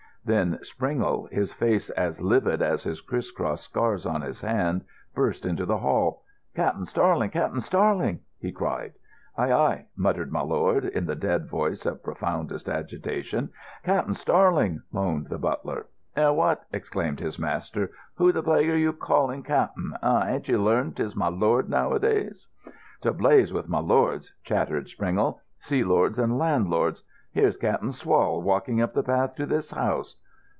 Then Springle, his face as livid as the criss cross scars on his hand, burst into the hall. "Cap'n Starling! Cap'n Starling!" he cried. "Aye, aye," muttered my lord in the dead voice of profoundest agitation. "Cap'n Starling!" moaned the butler. "Eh, what!" exclaimed his master. "Who the plague are you calling 'cap'n'? Ha'n't you learned 'tis 'my lord' nowadays?" "To blazes wi' lords," chattered Springle. "Sea lords and land lords. Here's Cap'n Swall walking up the path to this house."